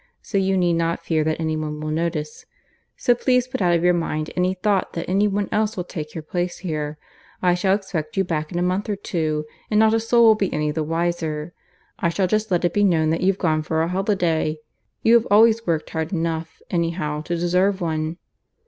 So you need not fear that any one will notice. So please put out of your mind any thought that any one else will take your place here. I shall expect you back in a month or two, and not a soul will be any the wiser. I shall just let it be known that you're gone for a holiday. You have always worked hard enough, anyhow, to deserve one."